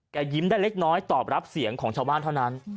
ยิ้มได้เล็กน้อยตอบรับเสียงของชาวบ้านเท่านั้น